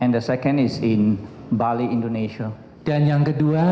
dan yang kedua